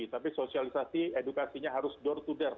tapi sosialisasi edukasinya harus door to door